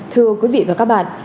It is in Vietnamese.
thưa quý vị và các bạn